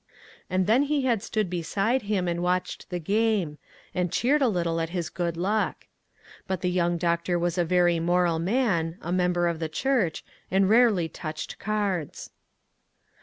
And then he had stood beside him and watched the game, and cheered a little at his good luck. But the young doctor was a very moral man, a member of the church, and rarely touched cards.